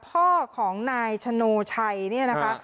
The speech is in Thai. พ่อของนายชโนชัยเนี่ยนะคะ